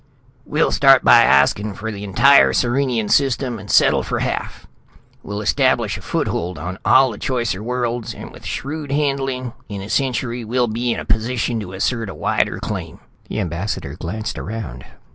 "We'll start by asking for the entire Sirenian System, and settle for half. We'll establish a foothold on all the choicer worlds. And, with shrewd handling, in a century we'll be in a position to assert a wider claim." The ambassador glanced around.